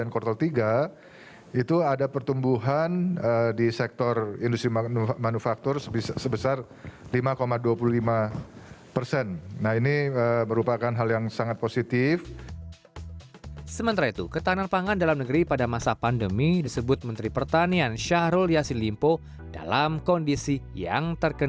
ketika kita bicara ke